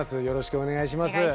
よろしくお願いします。